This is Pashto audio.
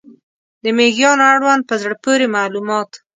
د مېږیانو اړوند په زړه پورې معلومات